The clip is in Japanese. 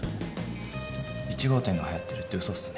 １号店がはやってるってうそっすね。